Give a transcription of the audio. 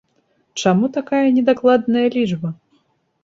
Чаму такая недакладная лічба?